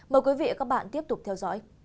mời quý vị và các bạn tiếp tục theo dõi